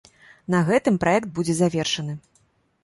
На гэтым праект будзе завершаны.